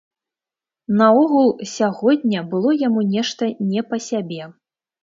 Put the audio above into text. Наогул сягоння было яму нешта не па сябе.